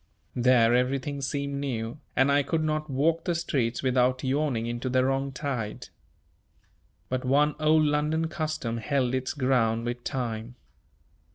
There everything seemed new, and I could not walk the streets without yawing into the wrong tide. But one old London custom held its ground with time.